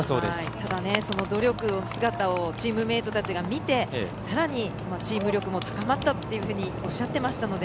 ただその努力している姿をチームメートたちが見てさらに、チーム力も高まったとおっしゃってましたので